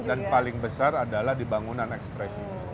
dan paling besar adalah di bangunan ekspresi